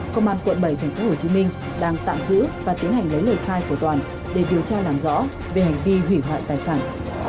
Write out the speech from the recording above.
công an quận bảy tp hcm đang tạm giữ và tiến hành lấy lời khai của toàn để điều tra làm rõ về hành vi hủy hoại tài sản